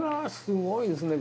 すごいですね。